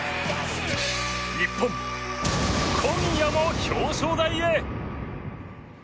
日本、今夜も表彰台へ！